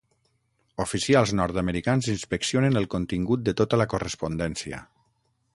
Oficials nord-americans inspeccionen el contingut de tota la correspondència.